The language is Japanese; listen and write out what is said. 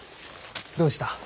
どうした？